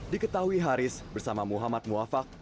diketahui haris bersama muhammad muafak